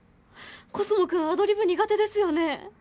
コスモくんアドリブ苦手ですよね？